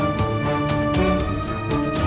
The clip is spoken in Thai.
มันก็มี